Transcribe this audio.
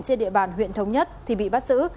trên địa bàn huyện thống nhất thì bị bắt giữ